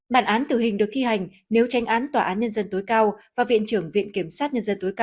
bản án tử hình được thi hành nếu tranh án tòa án nhân dân tối cao và viện trưởng viện kiểm sát nhân dân tối cao